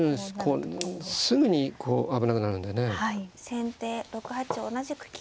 先手６八同じく金。